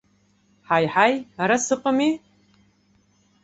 Ҳаи, ҳаи, ара сыҟами!